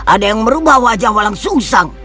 ada yang merubah wajah walang sumsang